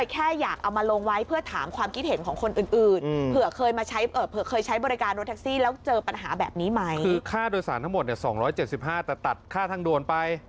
คือค่าโดยสารทั้งหมด๒๗๕บาทแต่ตัดค่าทางโดนไป